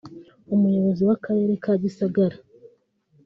Umuyobozi w’Akarere ka Gisagara